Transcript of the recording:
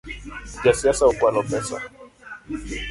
Ja siasa okwalo pesa.